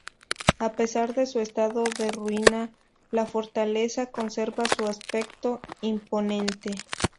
A pesar de su estado de ruina, la fortaleza conserva su aspecto imponente.